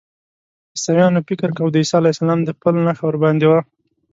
عیسویانو فکر کاوه د عیسی علیه السلام د پل نښه ورباندې وه.